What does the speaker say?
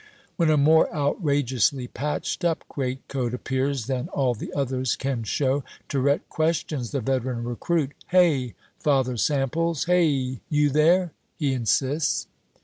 When a more outrageously patched up greatcoat appears than all the others can show, Tirette questions the veteran recruit. "Hey, Father Samples! Hey, you there!" he insists.